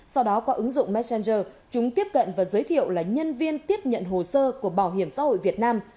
sau đó qua ứng dụng messenger chúng tiếp cận và giới thiệu là nhân viên tiếp nhận hồ sơ của bảo hiểm xã hội việt nam